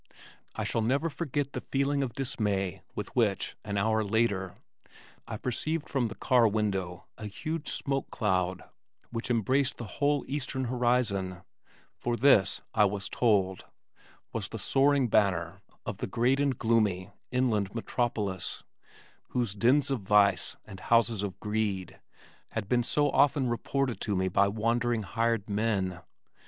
I shall never forget the feeling of dismay with which, an hour later, I perceived from the car window a huge smoke cloud which embraced the whole eastern horizon, for this, I was told was the soaring banner of the great and gloomy inland metropolis, whose dens of vice and houses of greed had been so often reported to me by wandering hired men.